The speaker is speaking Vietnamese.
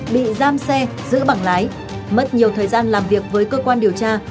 bị giam xe giữ bằng lái mất nhiều thời gian làm việc với cơ quan điều tra